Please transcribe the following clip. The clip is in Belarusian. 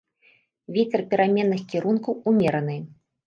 Вецер пераменных кірункаў, умераны.